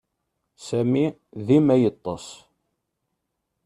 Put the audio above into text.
Sami dima yettess.